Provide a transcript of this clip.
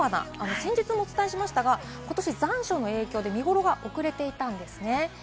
先日もお伝えしましたが、ことし残暑の影響で見頃が遅れていたんですね。